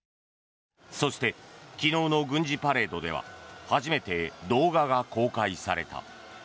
そして、昨日の軍事パレードでは初めて動画が公開された。